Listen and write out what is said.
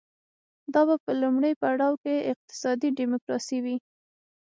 دا به په لومړي پړاو کې اقتصادي ډیموکراسي وي.